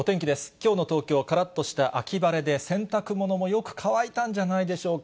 きょうの東京、からっとした秋晴れで、洗濯物もよく乾いたんじゃないでしょうか。